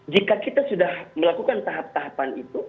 jika kita sudah melakukan tahap tahapan itu